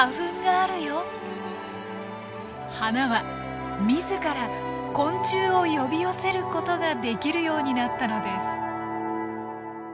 花は自ら昆虫を呼び寄せることができるようになったのです。